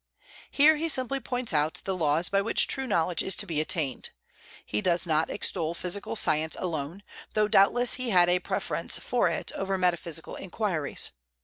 Here he simply points out the laws by which true knowledge is to be attained. He does not extol physical science alone, though doubtless he had a preference for it over metaphysical inquiries.